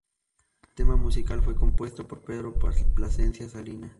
El tema musical fue compuesto por Pedro Plascencia Salinas.